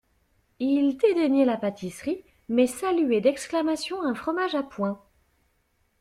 Il dédaignait la pâtisserie, mais saluait d'exclamations un fromage à point.